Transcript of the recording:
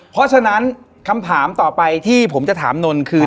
เพราะฉะนั้นคำถามต่อไปที่ผมจะถามนนท์คือ